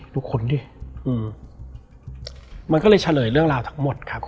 ทุกคนดิอืมมันก็เลยเฉลยเรื่องราวทั้งหมดครับ